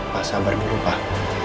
pak sabar dulu pak